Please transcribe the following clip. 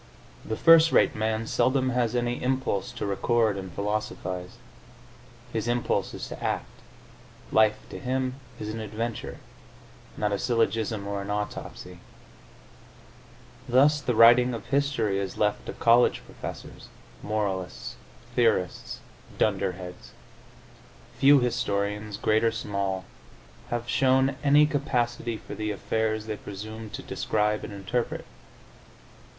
The first rate man seldom has any impulse to record and philosophise; his impulse is to act; life, to him, is an adventure, not a syllogism or an autopsy. Thus the writing of history is left to college professors, moralists, theorists, dunder heads. Few historians, great or small, have shown any capacity for the affairs they presume to describe and interpret.